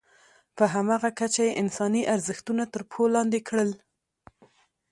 په همغه کچه یې انساني ارزښتونه تر پښو لاندې کړل.